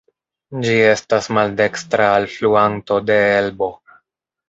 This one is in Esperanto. Ĝi estas maldekstra alfluanto de Elbo.